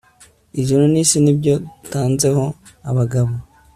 ijuru n'isi ni byo dutanzeho abagabo